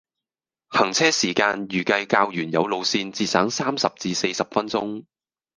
行車時間預計較原有路線節省三十至四十分鐘。